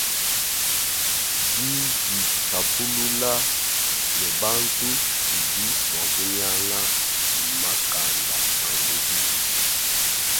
Diditapulula ne bantu didi mua kunyanga makanda a mubidi.